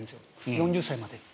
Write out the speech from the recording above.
４０歳までに。